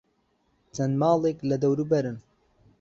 چەند ماڵێک لە دەوروبەرن.